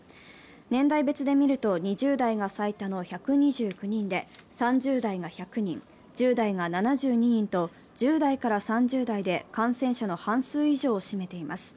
年代別でみると２０代が最多の１２９人で３０代が１００人、１０代が７２人と１０代から３０代で感染者の半数以上を占めています。